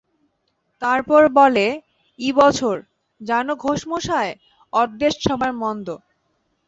তারপর বলে, ই বছর, জানো ঘোষ মশায়, অদেষ্ট সবার মন্দ।